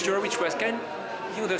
jurnalis cnn indonesia yogi tujuliarto